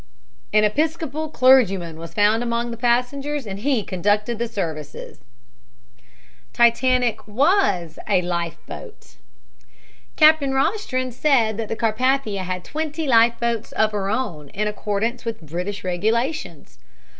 An Episcopal clergyman was found among the passengers and he conducted the services." TITANIC WAS A "LIFE BOAT." Captain Rostron said that the Carpathia had twenty lifeboats of her own, in accordance with the British regulations.